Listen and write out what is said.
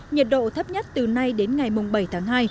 nhiệt độ thấp nhất từ nay đến ngày bảy tháng hai